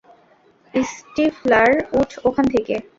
Stifler, উঠ ওখান থেকে।